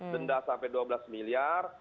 denda sampai dua belas miliar